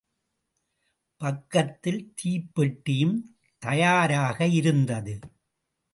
பக்கத்தில் தீப்பெட்டியும் தயாராக இருந்தது.